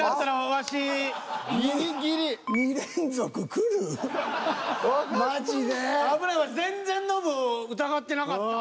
ワシ全然ノブ疑ってなかった。